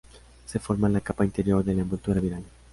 Se forman en la capa interior de la envoltura viral.